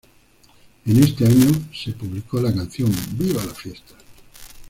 En este año se publicó la canción "¡Viva la fiesta!